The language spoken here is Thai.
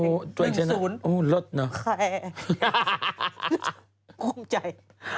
นะจริงปูงใจ